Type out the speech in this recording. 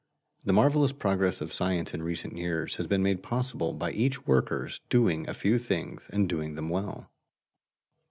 The marvelous progress of science in recent years has been made possible by each worker's doing a few things and doing them well.